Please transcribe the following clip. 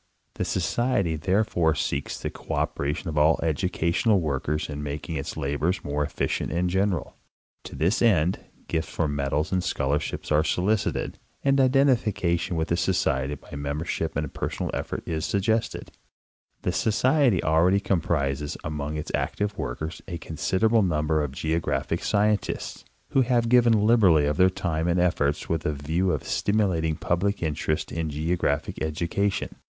The Society therefore seeks the codperation of all educational workers in making its labors more efficient and general. To this end, gifts 31—Nart. Groa. Maa., von. VI, 1894. 228 Cyrus C. Babb—Geographic Notes. for medals and scholarships are solicited, and identification with the Society by membership and personal effort is suggested. The Society already comprises among its active workers a considerable number of geographic scientists, who have given liberally of their time and 'efforts with a view of stimulating public interest in geographic education.